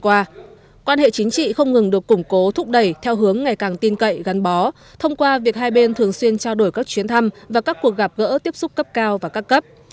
quan hệ chính trị không ngừng được củng cố thúc đẩy theo hướng ngày càng tin cậy gắn bó thông qua việc hai bên thường xuyên trao đổi các chuyến thăm và các cuộc gặp gỡ tiếp xúc cấp cao và các cấp